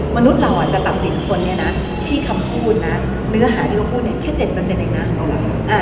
มนุษย์เราจะตัดสินคนที่คำพูดเนื้อหาที่เขาพูดแค่๗เองนะ